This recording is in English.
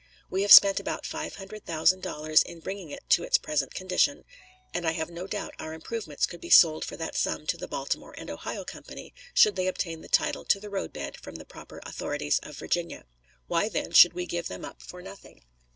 We have spent about five hundred thousand dollars in bringing it to its present condition, and I have no doubt our improvements could be sold for that sum to the Baltimore and Ohio Company should they obtain the title to the roadbed from the proper authorities of Virginia. Why, then, should we give them up for nothing?